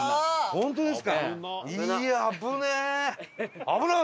本当ですか！